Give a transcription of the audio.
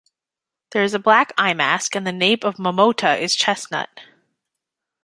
There is a black eyemask, and the nape of "momota" is chestnut.